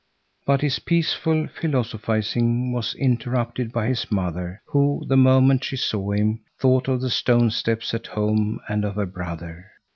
But his peaceful philosophizing was interrupted by his mother, who, the moment she saw him, thought of the stone steps at home and of her brother.